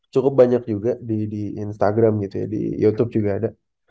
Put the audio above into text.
cukup banyak juga di instagram gitu ya di youtube juga ada